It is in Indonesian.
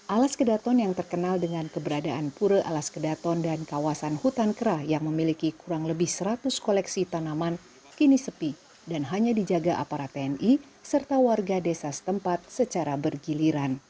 alas kedaton yang terkenal dengan keberadaan pura alas kedaton dan kawasan hutan kerah yang memiliki kurang lebih seratus koleksi tanaman kini sepi dan hanya dijaga aparat tni serta warga desa setempat secara bergiliran